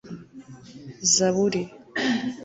zaburi